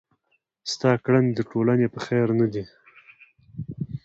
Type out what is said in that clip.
ستا کړني د ټولني په خير نه دي.